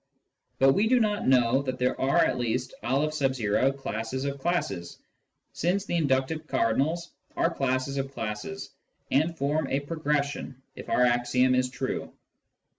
But we do know that there are at least N classes of classes, since the inductive cardinals are classes of classes, and form a progression if our axiom is true.